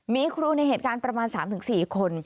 มีครูในเหตุการณ์ประมาณ๓๔คน